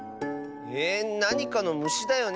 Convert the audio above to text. ええっなにかのむしだよね？